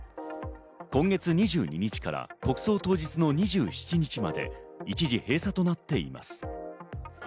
今月２２日から国葬当日の２７日まで一時閉鎖となっています。